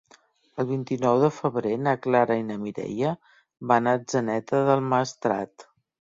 El vint-i-nou de febrer na Clara i na Mireia van a Atzeneta del Maestrat.